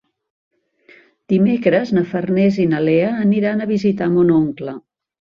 Dimecres na Farners i na Lea aniran a visitar mon oncle.